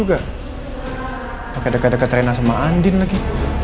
gak deket deket rena sama andin lagi